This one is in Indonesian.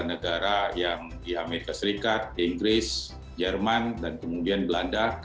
negara yang di amerika serikat inggris jerman dan kemudian belanda